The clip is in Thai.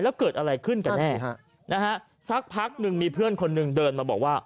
แล้วเกิดอะไรขึ้นกันแน่นะฮะสักพักหนึ่งมีเพื่อนคนหนึ่งเดินมาบอกว่า